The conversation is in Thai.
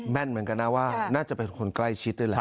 แม่นเหมือนกันนะว่าน่าจะเป็นคนใกล้ชิดเลย